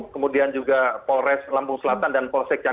kemudian juga polres lampung selatan dan polsek